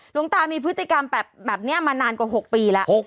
หลวงตามีพฤติกรรมแบบนี้มานานกว่า๖ปีแล้ว